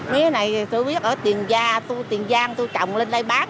mía này tôi biết ở tiền giang tôi trọng lên đây bán